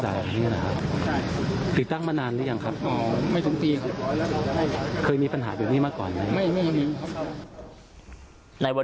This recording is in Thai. เดินทางมานานแล้วยังครับ